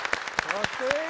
かっこいい。